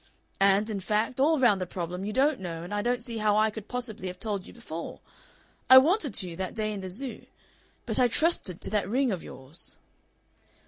And, in fact, all round the problem you don't know and I don't see how I could possibly have told you before. I wanted to, that day in the Zoo. But I trusted to that ring of yours."